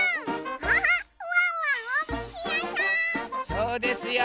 そうですよ。